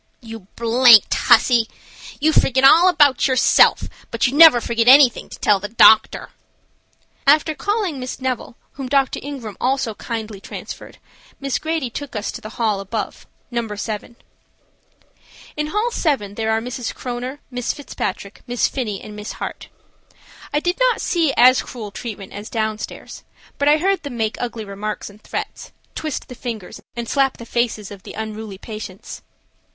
"You d—n hussy, you forget all about yourself, but you never forget anything to tell the doctor." After calling Miss Neville, whom Dr. Ingram also kindly transferred, Miss Grady took us to the hall above, No. 7. In hall 7 there are Mrs. Kroener, Miss Fitzpatrick, Miss Finney, and Miss Hart. I did not see as cruel treatment as down stairs, but I heard them make ugly remarks and threats, twist the fingers and slap the faces of the unruly patients.